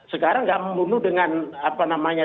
sekarang tidak membunuh dengan apa namanya